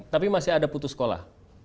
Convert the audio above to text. tapi masih ada putus sekolah